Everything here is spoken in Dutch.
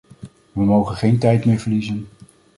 We mogen geen tijd meer verliezen.